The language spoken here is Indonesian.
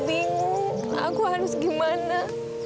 bingung aku harus gimana